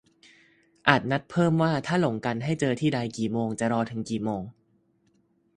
- อาจนัดเพิ่มว่า ถ้าหลงกันให้เจอที่ใดกี่โมง จะรอถึงกี่โมง